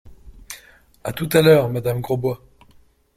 A tout à l’heure, madame Grosbois.